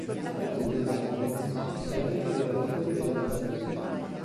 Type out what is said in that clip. Altre accuse riguardano le condizioni salariali dei lavoratori dell'azienda brasiliana.